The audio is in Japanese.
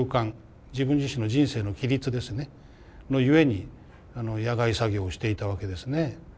自分自身の人生の規律ですねのゆえに野外作業をしていたわけですね。